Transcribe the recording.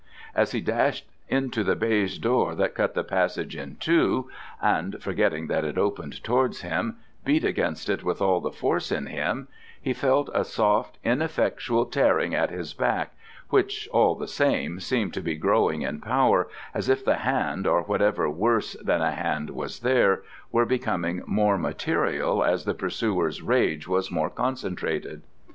As he dashed into the baize door that cut the passage in two, and forgetting that it opened towards him beat against it with all the force in him, he felt a soft ineffectual tearing at his back which, all the same, seemed to be growing in power, as if the hand, or whatever worse than a hand was there, were becoming more material as the pursuer's rage was more concentrated.